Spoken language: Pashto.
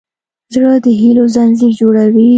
زړه د هيلو ځنځیر جوړوي.